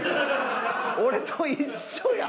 俺と一緒やん。